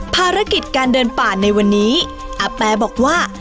ภารกิจการเดินป่าในวันนี้อาแปบอกว่า